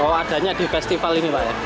bahwa adanya di festival ini pak ya